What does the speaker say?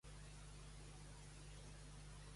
Apunta que tinc visita amb la nefròloga en dues hores.